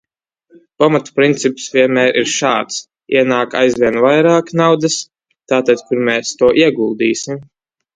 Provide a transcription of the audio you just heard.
Pamatprincips vienmēr ir šāds: ienāk aizvien vairāk naudas, tātad kur mēs to ieguldīsim?